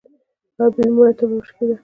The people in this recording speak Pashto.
ـ ابۍ مړه تبه يې وشکېده.